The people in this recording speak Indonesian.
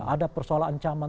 ada persoalan ancaman